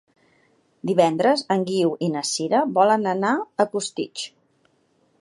Divendres en Guiu i na Sira volen anar a Costitx.